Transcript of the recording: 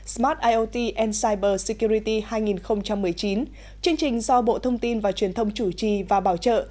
smart iot an cyber security hai nghìn một mươi chín chương trình do bộ thông tin và truyền thông chủ trì và bảo trợ